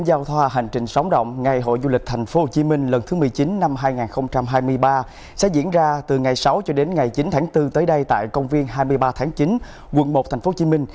giao thoa hành trình sóng động ngày hội du lịch tp hcm lần thứ một mươi chín năm hai nghìn hai mươi ba sẽ diễn ra từ ngày sáu cho đến ngày chín tháng bốn tới đây tại công viên hai mươi ba tháng chín quận một tp hcm